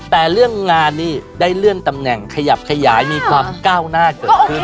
แต่เรื่องงานนี่ได้เลื่อนตำแหน่งขยับขยายมีความก้าวหน้าเกิดขึ้น